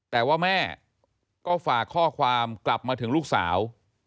แต่ว่าแม่ก็ฝากข้อความกลับมาถึงลูกสาว